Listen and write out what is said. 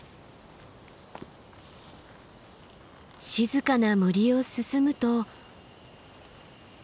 静かな森を進むと。